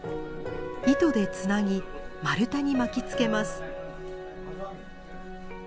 糸でつなぎ丸太に巻きつけます。